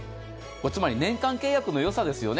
つまり年間契約のよさですよね。